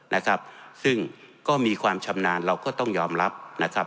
นะครับซึ่งก็มีความชำนาญเราก็ต้องยอมรับนะครับ